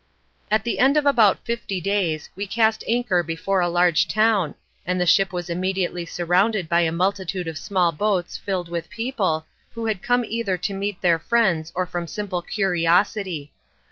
At the end of about fifty days we cast anchor before a large town, and the ship was immediately surrounded by a multitude of small boats filled with people, who had come either to meet their friends or from simple curiosity.